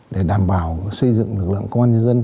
để đảm bảo xây dựng lực lượng công an nhân dân